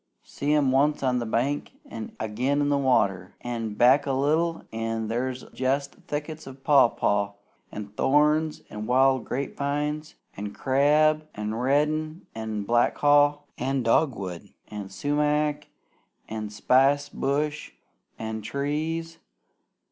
See 'em once on the bank, an' agin in the water! An' back a little an' there's jest thickets of papaw, an' thorns, an' wild grape vines, an' crab, an' red an' black haw, an' dogwood, an' sumac, an' spicebush, an' trees!